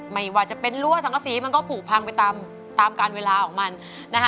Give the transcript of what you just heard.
ไม่ว่าจะเป็นรั้วสังกษีมันก็ผูกพังไปตามการเวลาของมันนะคะ